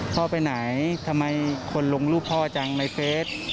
พ่อไปไหนทำไมคนลงรูปพ่อจังในเฟส